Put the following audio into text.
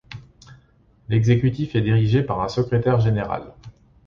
L'exécutif est dirigé par un secrétaire général.